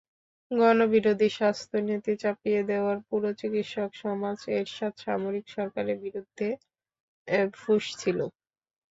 গণবিরোধী স্বাস্থ্যনীতি চাপিয়ে দেওয়ায় পুরো চিকিৎসক সমাজ এরশাদের সামরিক সরকারের বিরুদ্ধে ফুঁসছিল।